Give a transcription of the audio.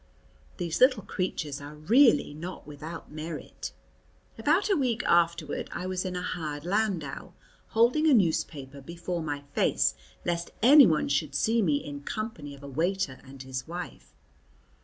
These little creatures are really not without merit. About a week afterward I was in a hired landau, holding a newspaper before my face lest anyone should see me in company of a waiter and his wife.